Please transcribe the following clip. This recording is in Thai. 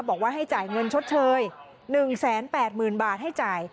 บอกว่าให้จ่ายเงินชดเชย๑๘๐๐๐บาทให้จ่าย